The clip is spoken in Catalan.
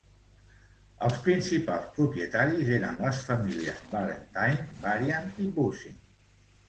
Els principals propietaris eren les famílies Valentine, Varian i Bussing.